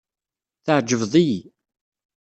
Tɛejbeḍ-iyi.